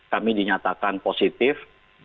kami dinyatakan positif